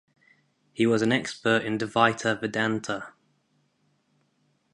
He was an expert in Dvaita Vedanta.